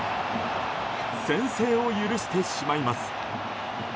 先制を許してしまいます。